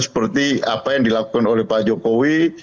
seperti apa yang dilakukan oleh pak jokowi